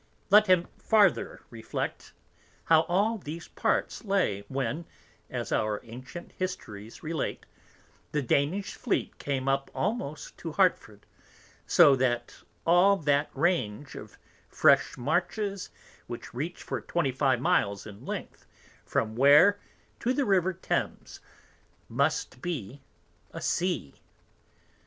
Let him farther reflect, how all these Parts lay when, as our ancient Histories relate, the Danish Fleet came up almost to Hartford, so that all that Range of fresh Marshes which reach for twenty five Miles in length, from Ware to the River Thames, must be a Sea.